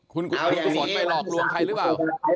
คุณกุศลไปหลอกลวงใครหรือว่า